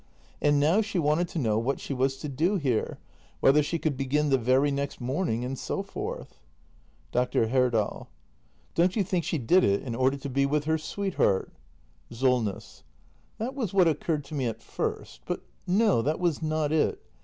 And now she wanted to know what she was to do here — whether she could begin the very next morning, and so forth. Dr. Herdal. Don't you think she did it in order to be with her sweetheart ? act i] THE MASTER BUILDER 277 SOLNESS. That was what occurred to me at first. But no, that was not it.